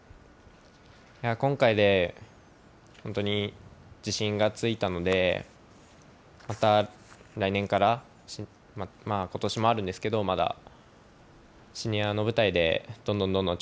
今回で本当に自信がついたので、また来年から、ことしもあるんですけど、まだ。